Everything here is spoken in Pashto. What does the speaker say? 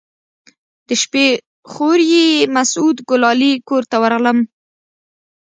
د شپې خوريي مسعود ګلالي کور ته ورغلم.